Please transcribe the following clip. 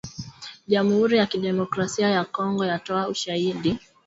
Jamhuri ya kidemokrasia ya Kongo yatoa ‘ushahidi’.